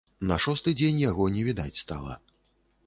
На шосты дзень яго не відаць стала.